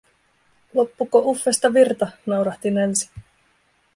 Loppuko Uffesta virta?", naurahti Nancy.